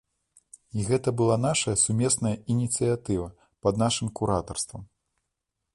І гэта была нашая сумесная ініцыятыва, пад нашым куратарствам.